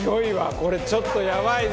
これちょっとやばいぞ！